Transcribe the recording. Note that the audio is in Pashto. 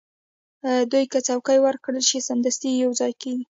دوی که څوکۍ ورکړل شي، سمدستي یو ځای کېږي.